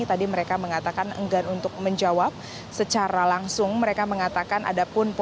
tadi mereka mengatakan enggak untuk menjawab secara langsung mereka mengatakan ada pun